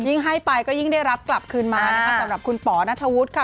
ให้ไปก็ยิ่งได้รับกลับคืนมานะคะสำหรับคุณป๋อนัทธวุฒิค่ะ